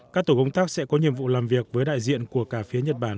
các tổ công tác sẽ có nhiệm vụ làm việc với đại diện của cả phía nhật bản